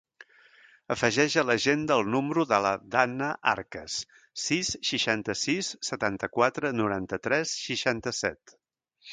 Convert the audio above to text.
Afegeix a l'agenda el número de la Danna Arcas: sis, seixanta-sis, setanta-quatre, noranta-tres, seixanta-set.